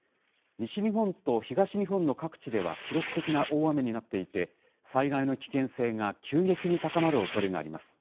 西日本と東日本の各地では記録的な大雨になっていて、災害の危険性が急激に高まるおそれがあります。